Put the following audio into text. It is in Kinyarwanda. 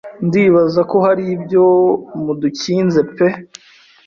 Ndibaza ko hari ibyo mudukinze pe